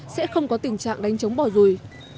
sẽ không có tình trạng đánh chống bỏ rùi